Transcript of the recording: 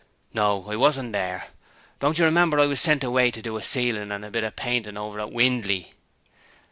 'No, I wasn't 'ere. Don't you remember I was sent away to do a ceilin' and a bit of painting over at Windley?'